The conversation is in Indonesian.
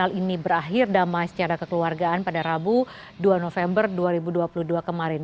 hal ini berakhir damai secara kekeluargaan pada rabu dua november dua ribu dua puluh dua kemarin